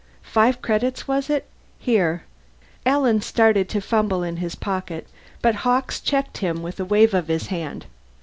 "Five credits, was it? Here " Alan started to fumble in his pocket, but Hawkes checked him with a wave of his hand.